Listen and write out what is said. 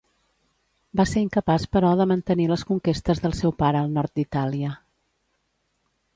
Va ser incapaç, però de mantenir les conquestes del seu pare al nord d'Itàlia.